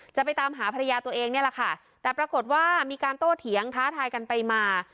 จะไปตามหาภรรยาตัวเองนี่แหละค่ะแต่ปรากฏว่ามีการโต้เถียงท้าทายกันไปมา